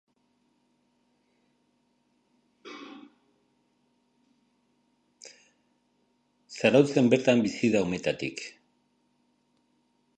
Zarautzen bertan bizi da umetatik.